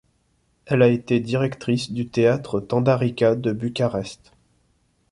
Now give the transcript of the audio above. Elle a été directrice du théâtre Țăndărica de Bucarest.